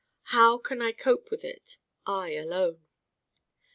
How can I cope with it I alone?